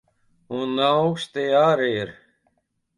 Un auksti ar ir.